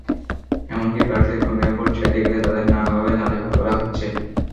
এমনকি প্রার্থীর কর্মীরা ভোট চাইতে গেলে তাঁদের নানাভাবে নাজেহাল করা হচ্ছে।